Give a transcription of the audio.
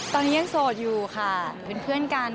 ตอนนี้ยังโสดอยู่ค่ะเป็นเพื่อนกัน